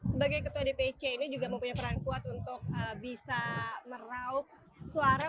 sebagai ketua dpc ini juga mempunyai peran kuat untuk bisa meraup suara